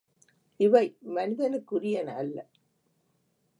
இவை மனிதனுக்குரியன அல்ல.